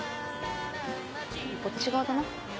こっち側だな。